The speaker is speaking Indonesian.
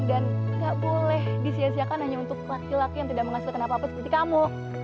dan gak boleh disiasiakan hanya untuk laki laki yang tidak menghasilkan apa apa seperti kamu